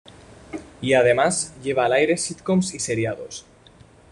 Y además, lleva al aire sitcoms y seriados.